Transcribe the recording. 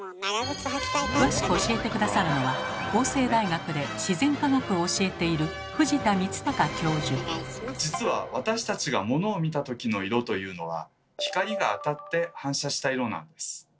詳しく教えて下さるのは法政大学で自然科学を教えている実は私たちが物を見たときの色というのは光が当たって反射した色なんです。